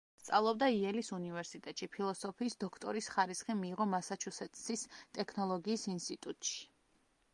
სწავლობდა იელის უნივერსიტეტში; ფილოსოფიის დოქტორის ხარისხი მიიღო მასაჩუსეტსის ტექნოლოგიის ინსტიტუტში.